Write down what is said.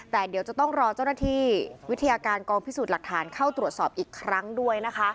แต่เดี๋ยวจะต้องรอเจ้าหน้าที่วิทยาการกองพิสูจน์หลักฐานเข้าตรวจสอบอีกครั้งด้วยนะคะ